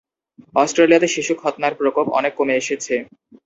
অস্ট্রেলিয়াতে শিশু খৎনার প্রকোপ অনেক কমে এসেছে।